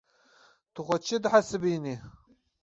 Tu xwe çi dihesibînî?